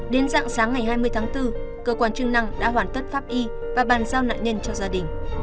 đến dạng sáng ngày hai mươi tháng bốn cơ quan chức năng đã hoàn tất pháp y và bàn giao nạn nhân cho gia đình